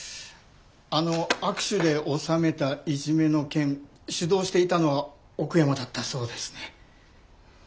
あの握手で収めたいじめの件主導していたのは奥山だったそうですね。